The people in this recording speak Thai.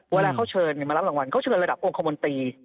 เวลาเขาเชิญมารับรางวัลเขาเชิญระดับองคมนตรี